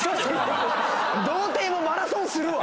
童貞もマラソンするわ！